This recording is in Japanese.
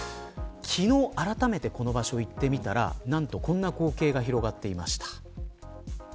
昨日、あらためてこの場所に行ってみるとこんな光景が広がっていました。